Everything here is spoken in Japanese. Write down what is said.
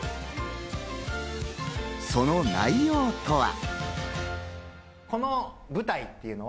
その内容とは。